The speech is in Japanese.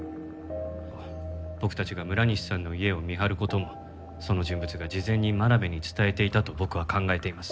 僕たちが村西さんの家を見張る事もその人物が事前に真鍋に伝えていたと僕は考えています。